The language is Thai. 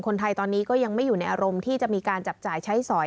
คนไทยตอนนี้ก็ยังไม่อยู่ในอารมณ์ที่จะมีการจับจ่ายใช้สอย